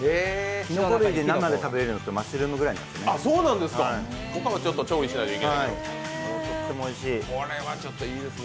きのこ類で生で食べれるのってマッシュルームぐらいなんですよね。